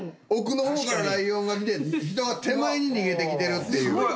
奥の方からライオンが来て人が手前に逃げてきてるっていう。